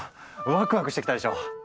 ワクワクしてきたでしょ？